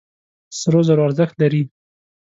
سرو زرو ارزښت لري.